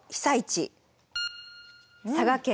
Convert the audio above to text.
佐賀県